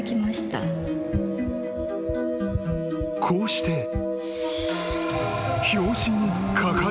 ［こうして］